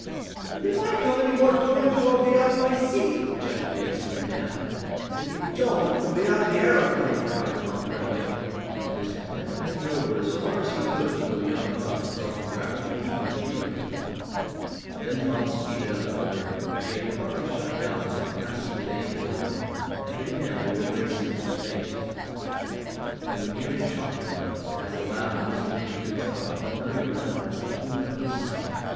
"But if I come any more toward you I'll be out of my seat!" objected the eccentric man. "If you don't you'll be out of the aeroplane!" cried Tom grimly, and his companion leaned over as far as he could until the young pilot had brought the craft to an even keel again. Then Tom speeded up the motor, which he had partly shut down as they passed through the danger zone, and again they were racing through space. They were nearing Shopton now, as the lad and Mr. Damon could tell by the familiar landmarks which loomed up in sight.